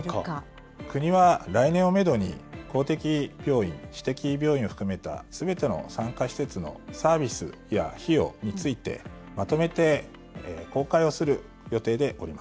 国は来年をメドに、公的病院、私的病院を含めたすべての産科施設のサービスや費用について、ま公開すると。